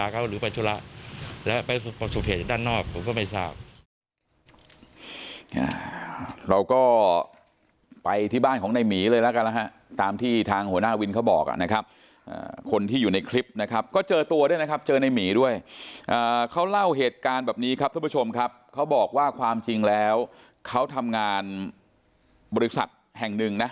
เขาเล่าเหตุการณ์แบบนี้ครับท่านผู้ชมครับเขาบอกว่าความจริงแล้วเขาทำงานบริษัทแห่งหนึ่งนะ